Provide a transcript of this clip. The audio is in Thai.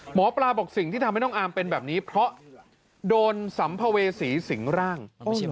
หมอปลาบอกสิ่งที่ทำให้น้องอาร์มเป็นแบบนี้เพราะโดนสัมภเวษีสิงร่าง